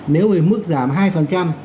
nếu về mức giảm hai